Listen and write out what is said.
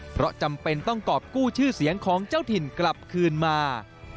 เพราะจำเป็นต้องกรอบกู้ชื่อเสียงของเจ้าถิ่นกลับคืนมา